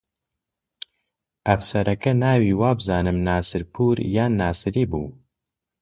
ئەفسەرەکە ناوی وابزانم ناسرپوور یان ناسری بوو